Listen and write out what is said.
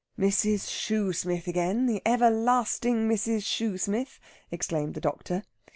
"Mrs. Shoosmith again the everlasting Mrs. Shoosmith!" exclaimed the doctor.